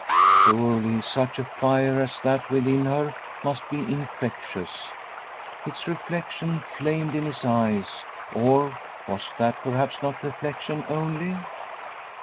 Surely such a fire as that within her must be infectious. Its reflection flamed in his The Rest Stone 249 eyes, or was that perhaps not reflection only